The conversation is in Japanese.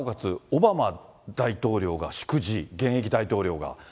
オバマ大統領が祝辞、現役大統領が。